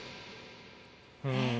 うん。